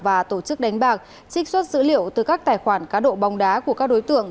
và tổ chức đánh bạc trích xuất dữ liệu từ các tài khoản cá độ bóng đá của các đối tượng